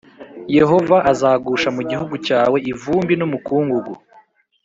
yehova azagusha mu gihugu cyawe ivumbi n’umukungugu